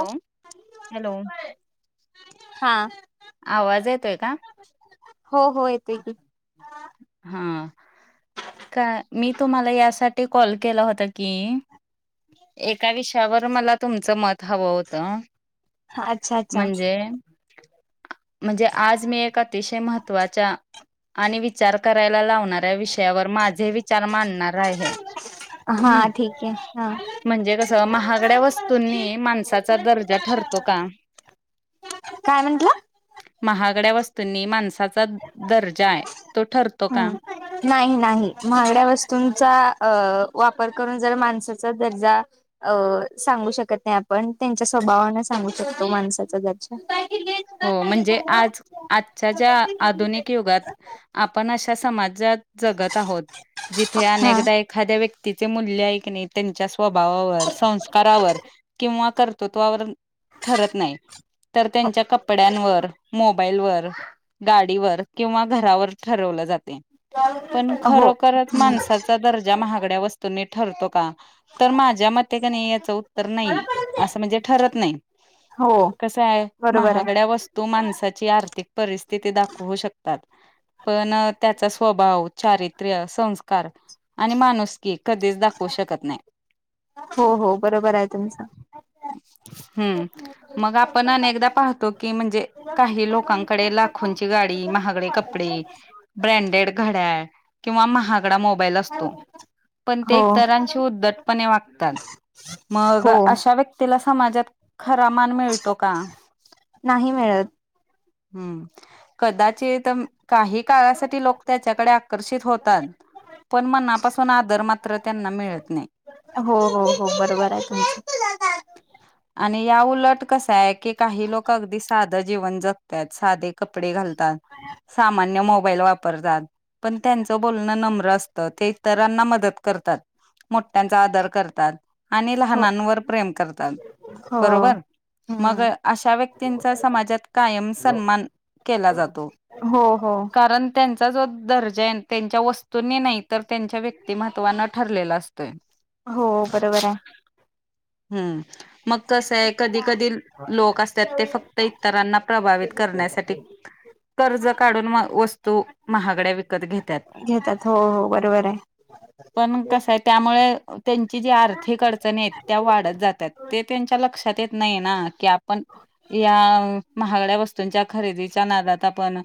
हो हॅलो हा आवाज येतोय का हो हो येत की हा का मी तुम्हाला यासाठी कॉल केला होता की एका विषयावर मला तुमचं मत हवं होतं अच्छा अच्छा म्हणजे म्हणजे आज मी एक अतिशय महत्त्वाच्या आणि विचार करायला लावणाऱ्या विषय माझे विचार मानणार आहे हा ठीक आहे हा म्हणजे कसं महागड्या वस्तूंनी माणसाचा दर्जा ठरतो का काय म्हटलं महागड्या वस्तूंनी माणसाचा दर्जा आहे तो ठरतो का हम्म नाही नाही महागड्या वस्तूंचा अ वापर करून जर माणसाचा दर्जा अ सांगू शकत नाही आपण त्यांच्या स्वभावाने सांगू शकतो माणसाच ज हो म्हणजे आज आजच्या ज्या आधुनिक युगात आपण अशा समाजात जगत आहोत जिथे हा अनेकदा एक एखाद्या व्यक्तीचे मूल्य नाही त्यांच्या स्वभावावर संस् करावर किंवा कर्तृत्वावर ठरत नाही तर त्यांच्या कपड्यांवर मो मोबाईल वर गाडीवर किंवा घरावर ठरवलं जाते पण हो खरोखरच माणसाचा दर्जा महागड्या वस्तूंनी ठरतो का तर माझ्या मते का नाही याचं उत्तर नाही असं म्हणजे ठरत नाही हो कस आहे बरोबर आहे महागड्या वस्तू माणसाची आर्थिक परिस्थिती दाखवू शकतात पण त्याचा स्वभाव चारित्र्य संस्कार आणि माणूस की कधीच दाखव शकत नाही हो हो बरोबर आहे तुमचं हम्म मग आपण पाहतो की म्हणजे काही लोकांकडे लाखोंची गाडी महागडे कपडे ब्रँडेड घड्याळ किंवा महागडा मोबाईल असतो पण ते हो इ तररांशी उद्दटपणे वागतात मग हो अशा व्यक्तीला समाजात खरा मान मिळतो का नाही मिळत हम्म कदाचित काही काळासाठी लोक त्याच्याकडे आकर्षित होतात पण मनापासून आदर मात्र त्यांना मिळत नाही हो हो हो हो बरोबर आहे तुमच आणि या उलट कसा आहे की काही लोक अगदी साधं जीवन जगतात साधे कपडे घालतात मोबाईल वापतात पण त्यांच बोलणं नम्र तर ते इतरांना मदत करतात मोठठ्यांचा आदर करतात आणि हो लहानांवर प्रेम करतात हो बरोबर मग हम्म अशा व्यक्तींचा समाजात कायम सन्मान केला जातो हो हो कारण त्यांचा जो दर्जा आहे त्यांच्या वस्तूंनी नाही तर त्यांच्या व्यक्तिमहत्त्वान ठरलेला असतंय हो बरोबर आहे हम्म मग कसं आहे कधी कधी लोक असतात ते फक्त इतरांना प्रभावित ण्यासाठी कर्ज काढून वस्तू महागड्या विकत घेत घेतात हो हो बरोबर आहे पण कस आहे त्यामुळे त्यांची जी आर्थिक अडचणी आहेत त्या वाढत जातात ते त्यांच्या लक्षात येत नाही ना की आपण या महागड्या वस्तूंच्या खरेदीच्या नदात आपण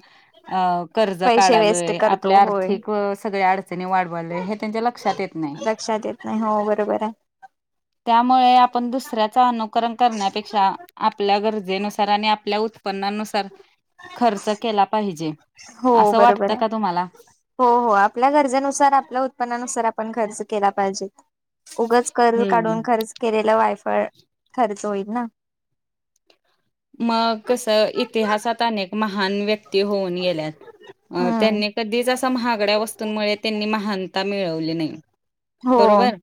अ कर्ज पैसे वेस्ट काढालोय करतो आपल्या होय आर्थिक सगळ्या अडचणी वाढवालय हे त्यांच्या लक्षात येत नाही लक्षातेत नाही हो बरोबर आहे त्यामुळे आपण दुसऱ्याच अनुकरण करण्यापेक्षा आपल्या गरजेनुसार आणि आपल्या उत्पन्नानुसार खर्च केला पाहिजे हो असं बरोबर वाटतं आहे. का तुम्हाला हो हो आपल्या गरजेनुसार आपल्या उत्पन्नानुसार आपण खर्च केला पाहिजेत उगच कर्ज हम्म. काढून खर्च केलेला वायफाय खर्च होईल ना मग कस इतिहासात अनेक महान व्यक्ती होऊन गेल्यात हम्म त्यांनी कधीच असं महागड्या वस्तूंमुळे त्यांनी महानता मिळवली नाही हो बरोबर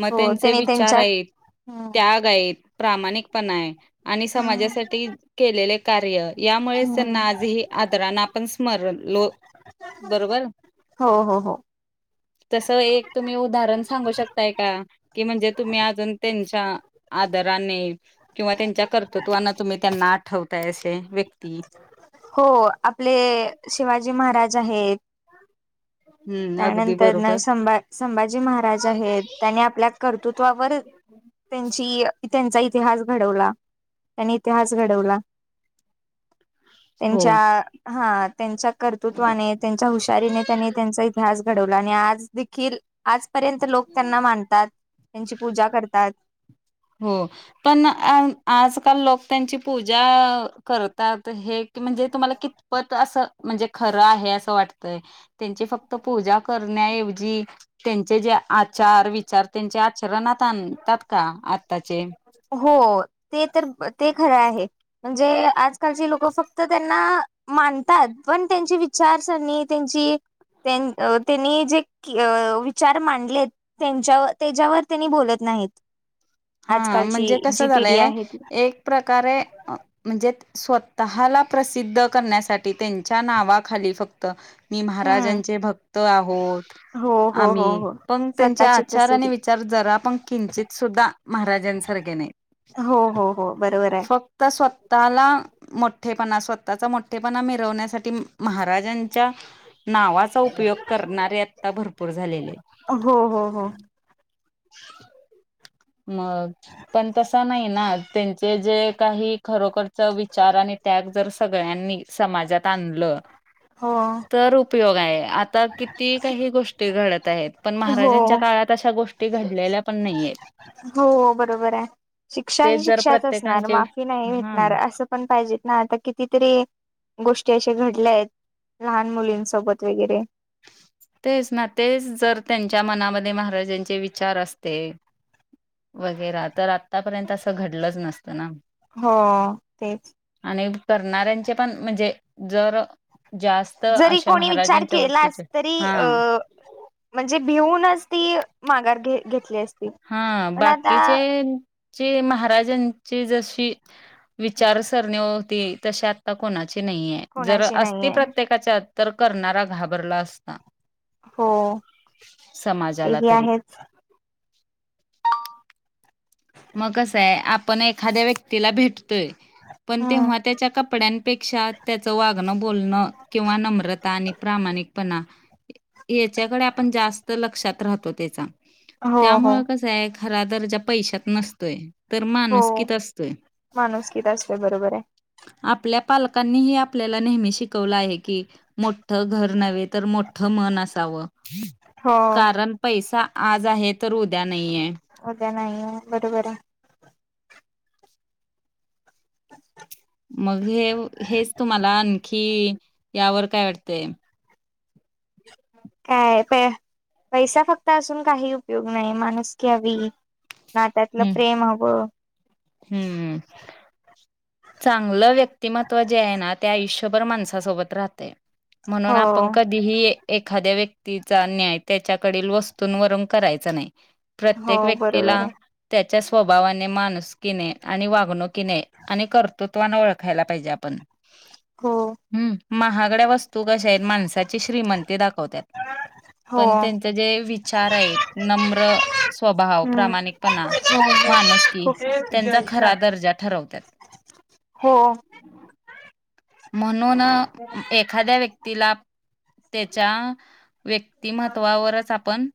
मग हो त्यांचे त्याने विचार त्यांच्या आहेत हम्म त्याग आहेत प्रामाणिकपणा आहे आणि हम्म समाजासाठी केलेले कार्य यामुळेच त्यांना हम्म आजही आदरान आपण स्मरण लो बरोबर हो हो हो [unintelligible] तसं एक तुम्ही उदाहरण सांगू शकताय का की म्हणजे तुम्ही अजून त्यांच्या आदराने किंवा त्यांच्या कर्तृत्वाना तुम्ही त्यांना आठवताय असे व्यक्ती हो आपले शिवाजी महाराज आहेत हम्म अगदी त्यानंतर बरोबर संभ संभाजी महाराज आहेत त्यांनी आपल्या कर्तृत्वावर त्यांची त्यांचा इतिहास घडवला त्यांनी इतिहास घडवला [unintelligible] हो त्यांच्या हा त्यांच्या कर्तृत्वाने त्यांच्या हुशारीने त्यांनी त्यांचा अभ्यास घडवला आणि आज देखील आजपर्यंत लोक त्यांना मानतात त्यांची पूजा करतात होम पण आजकाल लोक त्यांची पूजा करतात हे क म्हणजे तुम्हाला क पत असं म्हणजे खरं आहे असं वाटतय त्यांची फक्त पूजा करण्याऐवजी त्यांचे जे आचार विचार त्यांचे आचरणात आणतात का आत्ताचे हो ते तर ते खरं आहे म्हणजे आजकालची लोक फक्त त्यांना मानतात पण त्यांची विचारसरणी त्यांची त्यांनी जे विचार मांडलेत त्यांच्या त्याच्यावर त्यांनी बोलत नाहीत हा आजकालची म्हणजे जी कसं पिढी झालंय आहे ती एक प्रकारे म्हणजे स्वतःला प्रसिद्ध करण्यासाठी त्यांच्या नावाखाली फक्त मी हम्म महाराजांचे भक्त आहोत हो हो हो आम्ही हो पण त्यांचे स्वतःची आचार आणि प्रसिद्धी विचार जरा पण किंचित सुद्धा महारासारख्या नाही हो हो हो बरोबर आहे फक्त स्वतःला मोठेपणा स्वतःचा मोठेपणा मिरवण्यासाठी महाराजां चा उपयोग करणारे आता भरपूर झालेले हो हो मगग पण तस नाही ना त्यांचे जे काही खरोखरच विचार आणि त्याग जर सगळ्यांनी समाजात आणलं हा तर उपयोग आहे आता किती काही गोष्टी घडत आहेत पण हो महाराजांच्या काळात तशा गोष्टी घडलेल्या पण नाहीयेत हो बरोबर आहे शिक्षा ते ही जर शिक्षाच असणार प्रत्येकांचे माफी नाही हा भेटणार असं पण पाहिजेत ना आता कितीतरी गोष्टी अशे घडल्या आहेत लहान मुलींसोबत वगैरे तेच ना तेच जर त्यांच्या मनामध्ये महाराजांचे विचार असते वगैरा तर आतापर्यंत असं घडलंच नसतं ना हो तेच आणि करणाऱ्यांचे पण म्हणजे जर जास्त जरी अशा कोणी विचार महाराजांच्या केला वृत्तीचे त हा म्हणजे भिऊनच ती माघार घ घेतली अस हा बाकीचे जे महाराजांची जशी विचारसरणी होती तशी आता कोणाची नाहीये जर कोणाची अस नाहीये प्रत्ये तरर करणारा घाबरला असता हो समाजाला तेही तरी आहेत मग कसं आहे आपण एखाद्या व्यक्तीला भेटतोय पण हम्म तेव्हा त्याच्या कपड्यां पेक्षा त्याच वागणं बोलणं किंवा नम्रता आणि प्रामाणिकपणा याच्याकडे आपण जास्त लक्षात राहतो त्याचा हो हो त्यामुळे कसं आहे. खरा दर्जा पैशात नसतोय. तर हो माणुसकीत असतोय. माणुसकीत असते बरोबर आहे आपल्या पालकांनीही आपल्याला नेहमी शिकवलं आहे की मोठ घर नव्हे तर मोठ मन असावं हो कारण पैसा आज आहे तर उद्या नाहीये. उद्या नाहीे बरोबर आहे. मग हे हेच तुम्हाला आणखी यावर काय वाटतय. काय प पैसा फक्त असून काही उपयोग नाही माणस क हवी. नात्यातला त्यातलं हम्म. प्रेम हवं. हम्म चांगलं व्यक्तिमत्व जे आहे ना त्या आयुष्यात. माणसासोबत राहतय म्हणून हो ह. कधीही एखाद्या व्यक्तीचा न्याय त्याच्याकडील वस्तूंवरून करायचा नाही. हो प्रत्येक बरोबर व्यक्तीला आहे त्याच्या स्वभावाने माणूस किने आणि वागणूकीने आणि कर्तृत्वाने ओळखायला पाहिजे आपण हो हम्म महागड्या वस्तू कशायेत माणसाची श्रीमंती दाखवतात. पण हो त्यांचे जे विचार आहेत नम्र. स्वभाव हम्म प्रामाणिकपणा माणूस की खूप दर्जा ठरवत. हो. म्हणून एखाद्या व्यक्तीला त्याच्या व्यक्तिगत व्यक्तिमत्त्व महत्त्वावरच आपण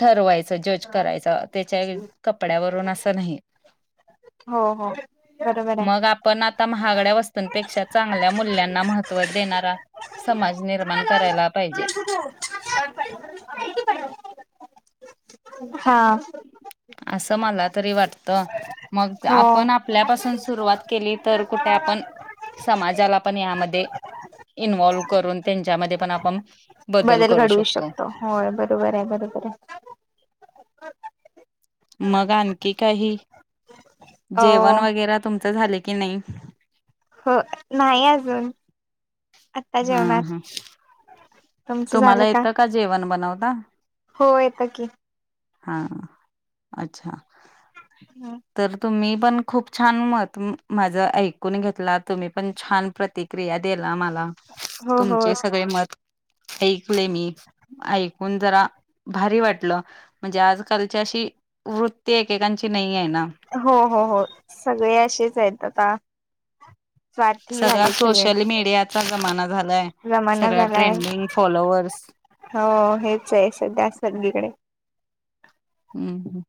ठरवायचं जज करायचं त्याच्या कपड्यावरून असं नाही. हो हो बरोबर आहे. पण आता महागड्या वस्तूंपेक्षा चांगल्या मुूल्यांना महत्त्व देणारा समाज. निर्माण करायला पाहिजे. हा. असं मला तरी वाटतं. मग हो आपण आपल्यापासून सुरुवात केली तर कुठे आपण समाजाला पण यामध्ये इन्वॉल्व करून त्यांच्यामध्ये पण आपण बदल घडवू शकतो होय बरोबर आहे बरोबर आहे. मग आणखी काही अ जेवण वगैर तुमचं झालं की नाही. हो नाही अजून आत्ता हा जेवणार हा. तुमचं तुम्हाला झालं येतं का जेवण बनवता. हो येतं की हा अच्छा. हा. तर तुम्ही पण खूप छान मत माझं ऐकून घेतला तुम्ही पण छान प्रती क्रिया दिला मला हो हो तुमचे सगळे मत ऐकले मी ऐकून जरा भारी वाटलं. म्हणजे आजकालची अशी वृत्ती एकेकांची नाही आहे ना. हो हो हो सगळे असेच आहेत आता स्वार्थी सगळा झालेत सगळे सोशल मीडियाचा जमाना झालाय जमाना सगळ झालाय ट्रेंडिंग फॉलोअर्स हो हेच आहे सध्या संळीकडे हम्म हम्.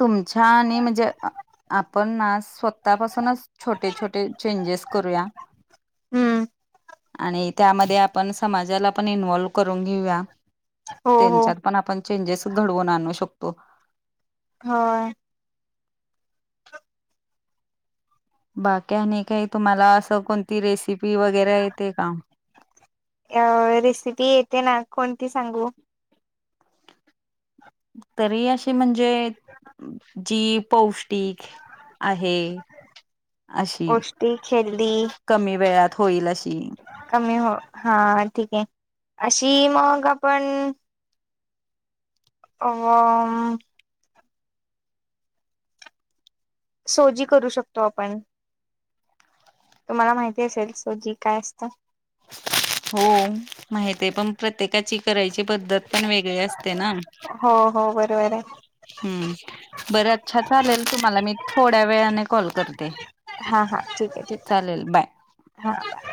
तुमच्या आणि म्हणजे आपण ना. स्वतःपासूनच छोटे छोटे चेंजेस करूया. हम्म आणि त्यामध्ये आपण समाजाला पण इन्वॉल्व करून घेऊया. हो हो त्यांच्यात पण आपण चेंजेस घडवून आणू शकतो. होय. बाकी आणि काही तुम्हाला असं कोणती रेसिपी वगैरे येते का? अ रेसिपी येते ना. कोणती सांगू? तरी अशी म्हणजे, जी पौष्ट- -टीक आहे अशी. पौष्टिक हेल्दी कमी वेळात होईल अशी. कमी हो. हा ठीक आहे. अशी मग आपण- आ म. सोजी करू शकतो आपण. तुम्हाला माहिती असेल. सो जी काय असतं? हो. माहितीय - पण प्रत्येकाची करायची पद्धत पण वेगळी असते ना? बरबर आहे. हम्म बरं अच्छा चालेल. तुम्हाला मी थोड्या वेळाने कॉल करते. हां. ठीक आहे. ठीक आहे चालेल बाय. हां.